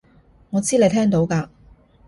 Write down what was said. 我知你聽到㗎